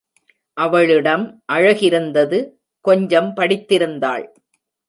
அவளிடம் அழகிருந்தது கொஞ்சம் படித்திருந்தாள்.